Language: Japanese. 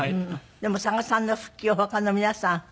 でも佐賀さんの復帰を他の皆さんどんなふうに？